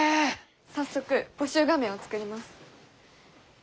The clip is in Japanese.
早速募集画面を作ります。